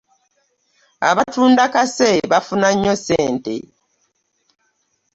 Abatunda kasse bafuna nnyo ssente.